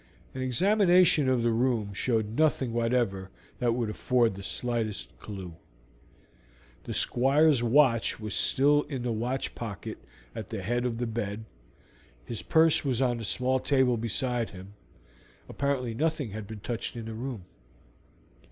An examination of the room showed nothing whatever that would afford the slightest clew. The Squire's watch was still in the watch pocket at the head of the bed, his purse was on a small table beside him; apparently nothing had been touched in the room.